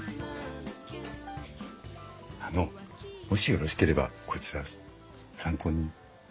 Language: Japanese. あのもしよろしければこちら参考に。